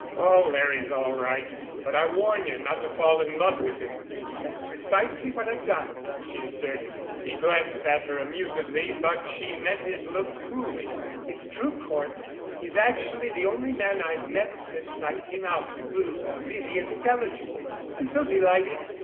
Oh, Larry's all right. But I warn you not to fall in love with him." "That's precisely what I've done," she asserted. He glanced at her amusedly, but she met his look coolly. "It's true, Cort. He's actually the only man I've met since I came out who really isn't eligible. I'm so delighted.